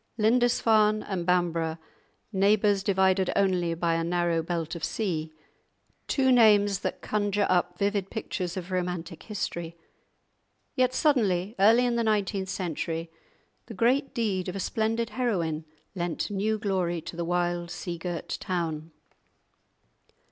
Lindisfarne and Bamburgh—neighbours, divided only by a narrow belt of sea—two names that conjure up vivid pictures of romantic history. Yet suddenly, early in the nineteenth century, the great deed of a splendid heroine lent new glory to the wild, sea girt town.